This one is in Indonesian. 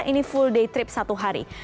ini full day trip satu hari